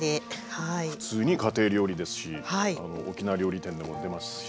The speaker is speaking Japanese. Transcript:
普通に家庭料理ですし沖縄料理店でも出ますし。